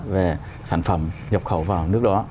về sản phẩm nhập khẩu vào nước đó